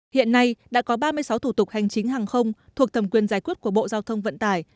hiện nay đã có ba mươi sáu thủ tục hành chính hàng không thuộc thẩm quyền giải quyết của bộ giao thông vận tải